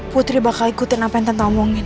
putri bakal ikutin apa yang tante omongin